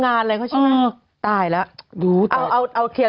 สวัสดีค่ะข้าวใส่ไข่สดใหม่เยอะสวัสดีค่ะ